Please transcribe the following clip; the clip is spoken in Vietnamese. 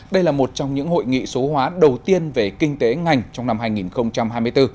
đây là một trong những hội nghị số hóa đầu tiên về kinh tế ngành trong năm hai nghìn hai mươi bốn